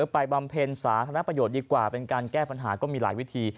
บำเพ็ญสาธารณประโยชน์ดีกว่าเป็นการแก้ปัญหาก็มีหลายวิธี